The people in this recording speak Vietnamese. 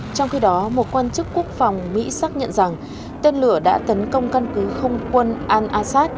trong khi đó một quan chức quốc phòng mỹ xác nhận rằng tên lửa đã tấn công căn cứ không quân al assad